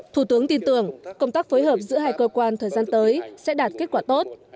thủ tướng tin tưởng công tác phối hợp giữa hai cơ quan thời gian tới sẽ đạt kết quả tốt